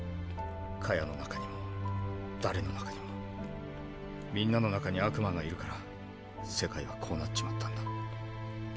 カヤの中にも誰の中にもみんなの中に悪魔がいるから世界はこうなっちまったんだ。